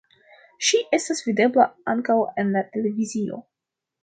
Ŝi estas videbla ankaŭ en la televizio.